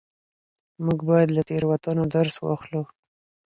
موږ بايد له تېروتنو درس واخلو.